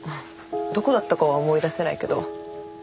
どこだったかは思い出せないけど。